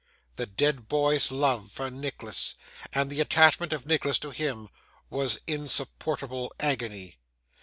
The dead boy's love for Nicholas, and the attachment of Nicholas to him, was insupportable agony.